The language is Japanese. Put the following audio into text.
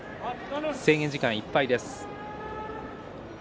制限時間いっぱいです。